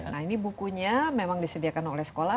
nah ini bukunya memang disediakan oleh sekolah